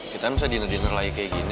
kita bisa diner dinner lagi kayak gini